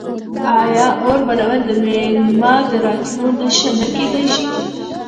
آیا اور بلول د میلمه د راتلو نښه نه کیدی شي؟